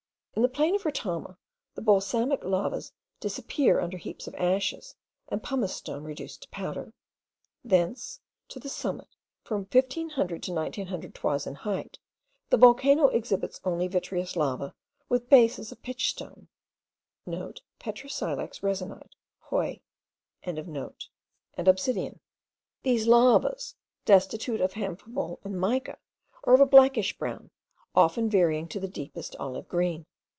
In the plain of Retama, the basaltic lavas disappear under heaps of ashes, and pumice stone reduced to powder. Thence to the summit, from 1500 to 1900 toises in height, the volcano exhibits only vitreous lava with bases of pitch stone* (* Petrosilex resinite. Hauy.) and obsidian. These lavas, destitute of amphibole and mica, are of a blackish brown, often varying to the deepest olive green.